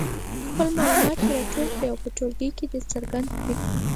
خپل معلومات دې راټول کړي او په ټولګي کې یې څرګند کړي.